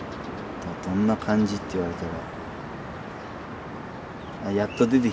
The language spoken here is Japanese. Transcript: どんな感じって言われたら。